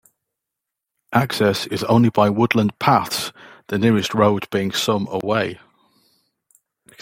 Access is only by woodland paths, the nearest road being some away.